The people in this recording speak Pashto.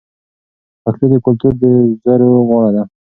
پښتو د کلتور د زرو غاړه ده.